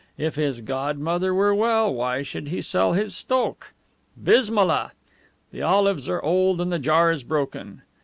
If his godmother were well, why should he sell his STOKH? Bismillah! The olives are old and the jar is broken!"